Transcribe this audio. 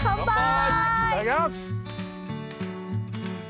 いただきます！